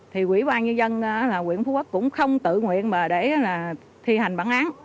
thì ủy ban nhân dân huyện phú quốc cũng không tự nguyện mà để thi hành bản án